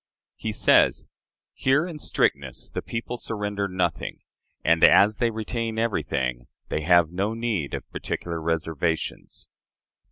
He says: "Here, in strictness, the people surrender nothing; and, as they retain everything, they have no need of particular reservations."